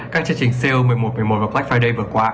các chương trình co một mươi một một mươi một và black friday vừa qua